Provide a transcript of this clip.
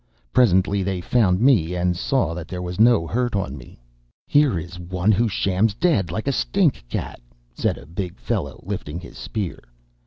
Presently they found me and saw that there was no hurt on me. "'"Here is one who shams dead like a stink cat," said a big fellow, lifting his spear.